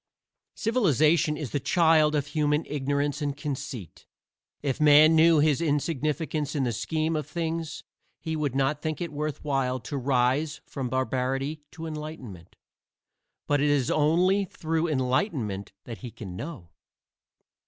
Civilization is the child of human ignorance and conceit. If Man knew his insignificance in the scheme of things he would not think it worth while to rise from barbarity to enlightenment. But it is only through enlightenment that he can know.